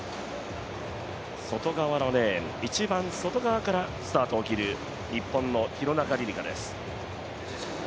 外側のレーン一番外側からスタートを切る日本の廣中璃梨佳です。